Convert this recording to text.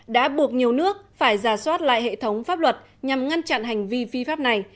đã buộc nhiều nước phải ra soát lại hệ thống pháp luật nhằm ngăn chặn hành vi phi pháp này